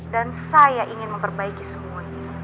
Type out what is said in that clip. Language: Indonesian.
dan saya ingin memperbaiki semua ini